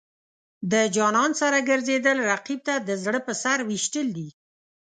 د جانان سره ګرځېدل، رقیب ته د زړه په سر ویشتل دي.